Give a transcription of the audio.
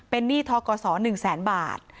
เป็นหนี้ท้อก่อส๑๐๐๐๐๐บาท